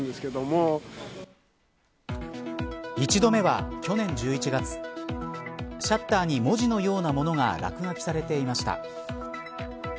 １度目は去年１１月シャッターに、文字のような物が落書きされていました。